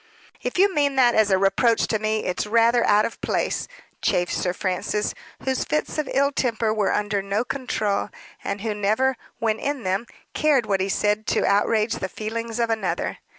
"If you mean that as a reproach to me, it's rather out of place," chafed Sir Francis, whose fits of ill temper were under no control, and who never, when in them, cared what he said to outrage the feelings of another.